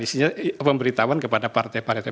isinya pemberitahuan kepada partai partai